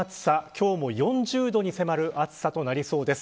今日も４０度に迫る暑さとなりそうです。